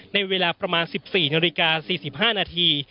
ในเวลาประมาณ๑๔นาฬิกา๔๕นาที